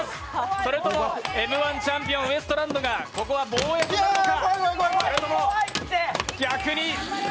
それともＭ−１チャンピオンのウエストランドが、ここは防衛なるか。